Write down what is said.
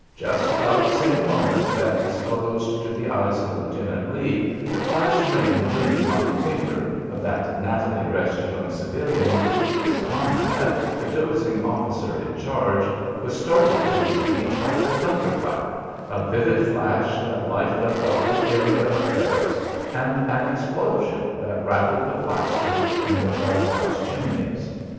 Just about the same moment that disclosed to the eyes of Lieutenant Lee the class ring gleaming on the finger of that nattily dressed young civilian, his comrade, the dozing officer in charge, was started to his feet by a thunder clap, a vivid flash that lighted up the whole area of barracks, and an explosion that rattled the plaster in the guard house chimneys.